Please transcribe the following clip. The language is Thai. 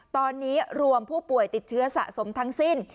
ตอนนี้รวมผู้ป่วยติดเชื้อสะสมทั้งสิ้น